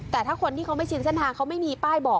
แต่ถ้าคนที่เขาไม่ชินเส้นทางเขาไม่มีป้ายบอก